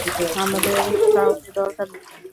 আমাদের কাউকে দরকার নেই।